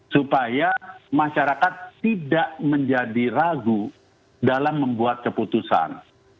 supaya masyarakat tidak menjadi ragu dalam membuat keputusan